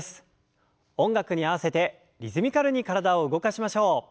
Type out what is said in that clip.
音楽に合わせてリズミカルに体を動かしましょう。